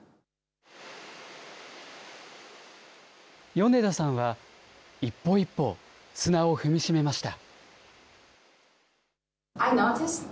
米田さんは、一歩一歩、砂を踏みしめました。